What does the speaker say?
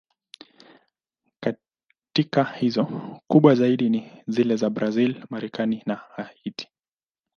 Katika hizo, kubwa zaidi ni zile za Brazil, Marekani na Haiti.